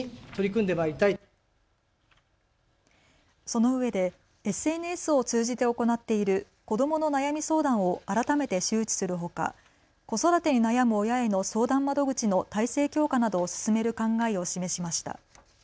そのうえでＳＮＳを通じて行っている子どもの悩み相談を改めて周知するほか子育てに悩む親への相談窓口の態勢強化などを進める考えを示しました。